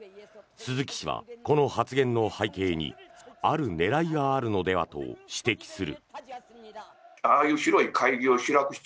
鈴木氏はこの発言の背景にある狙いがあるのではと指摘する。